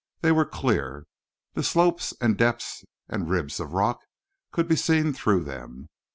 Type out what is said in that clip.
They were clear. The slopes and depths and ribs of rock could be seen through them.